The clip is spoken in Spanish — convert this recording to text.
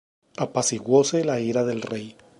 apaciguóse la ira del rey.